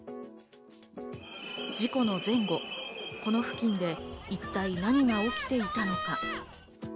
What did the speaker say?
事故の前後、この付近で一体何が起きていたのか？